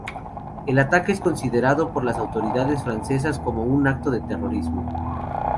El ataque es considerado por las autoridades francesas como un acto de terrorismo.